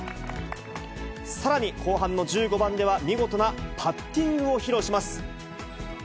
さらに、後半の１５番では、見事なパッティングを披露します。